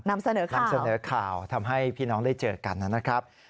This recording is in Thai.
นำเสนอข่าวทำให้พี่น้องได้เจอกันนะครับ